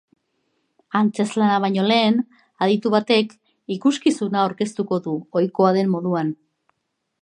Antzezlana baino lehen, aditu batek ikuskizuna aurkeztuko du, ohikoa den moduan.